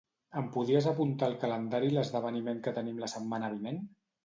Em podries apuntar al calendari l'esdeveniment que tenim la setmana vinent?